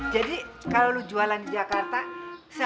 jadi kalo lo jualan di jakarta